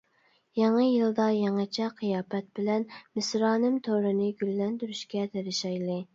يېڭى يىلدا يېڭىچە قىياپەت بىلەن مىسرانىم تورىنى گۈللەندۈرۈشكە تېرىشايلى!